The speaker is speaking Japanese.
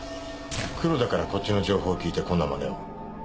黒田からこっちの情報を聞いてこんなマネを。